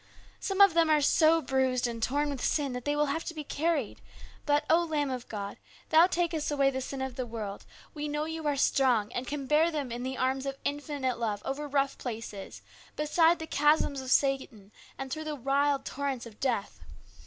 Some of them are so bruised and torn with sin that they will have to be carried, but, O Lamb of God, that takest away the sin of the world, we know You are strong and can bear them in the arms of infinite love over rough places, beside the chasms of Satan and through the wild torrents of death.